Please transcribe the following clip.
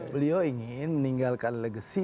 beliau ingin meninggalkan legacy